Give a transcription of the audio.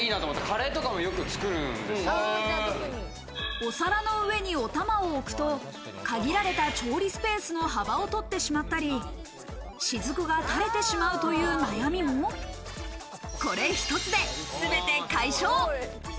お皿の上に、おたまを置くと限られた調理スペースの幅を取ってしまったり、しずくが垂れてしまうという悩みも、これ一つですべて解消。